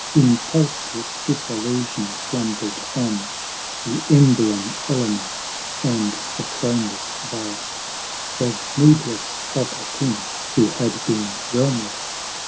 In pulseless dissolution slumbered on The embryon elements; and the throneless Vast Was needless of a king, who had been realmless.